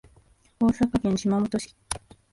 大阪府島本町